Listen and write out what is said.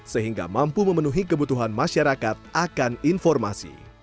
sehingga mampu memenuhi kebutuhan masyarakat akan informasi